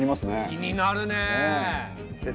気になるねえ。